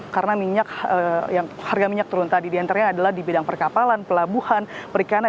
karena harga minyak turun tadi diantaranya adalah di bidang perkapalan pelabuhan perikanan